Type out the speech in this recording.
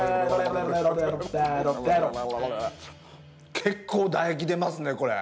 結構唾液出ますねこれ。